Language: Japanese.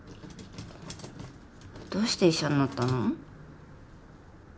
どうして医者になったの？